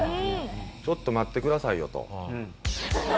「ちょっと待ってくださいよ」と。